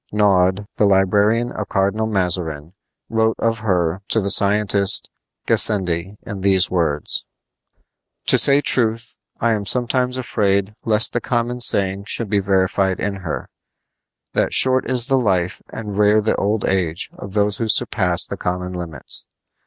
Naude, the librarian of Cardinal Mazarin, wrote of her to the scientist Gassendi in these words: To say truth, I am sometimes afraid lest the common saying should be verified in her, that short is the life and rare the old age of those who surpass the common limits.